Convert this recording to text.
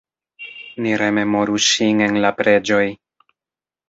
Ni rememoru ŝin en la preĝoj.